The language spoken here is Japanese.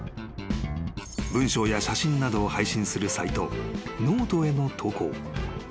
［文章や写真などを配信するサイトｎｏｔｅへの投稿］